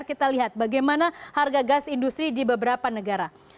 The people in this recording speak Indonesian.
kita lihat bagaimana harga gas industri di beberapa negara